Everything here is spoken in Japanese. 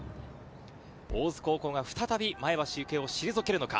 大津高校が再び前橋育英を退けるのか。